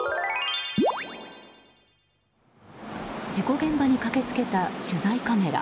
事故現場に駆け付けた取材カメラ。